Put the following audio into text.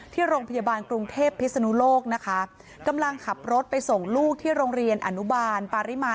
ที่โรงพยาบาลกรุงเทพพิศนุโลกนะคะกำลังขับรถไปส่งลูกที่โรงเรียนอนุบาลปาริมา